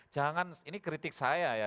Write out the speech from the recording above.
jangan ini kritik saya ya